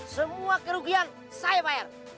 semua kerugian saya bayar